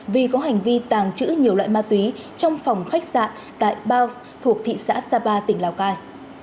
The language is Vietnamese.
vì có hành vi tàng trữ nhiều loại ma túy trong phòng khách sạn tại bounce thuộc thị xã sapa tỉnh lào cai